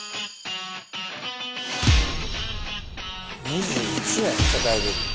２１年世界デビュー。